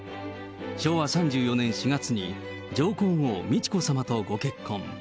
昭和３４年４月に、上皇后美智子さまとご結婚。